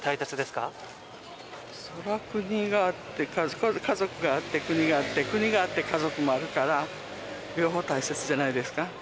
そりゃ国があって家族があって国があって国があって家族もあるから両方大切じゃないですか？